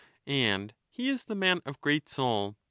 And he is the man of great soul.